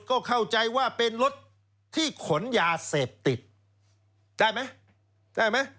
ก็เข้าใจว่าเป็นรถที่ขนยาเสพติดได้ไหมได้ไหม